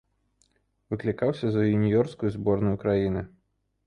Выклікаўся за юніёрскую зборную краіны.